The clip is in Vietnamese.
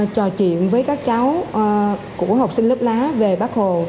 trò chuyện với các cháu của học sinh lớp lá về bác hồ